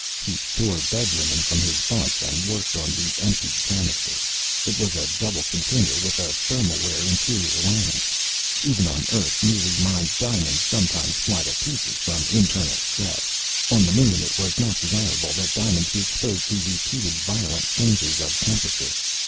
He tore bed linen from his bunk and worked on the emptied cannister. It was a double container with a thermware interior lining. Even on Earth newly mined diamonds sometimes fly to pieces from internal stress. On the Moon, it was not desirable that diamonds be exposed to repeated violent changes of temperature.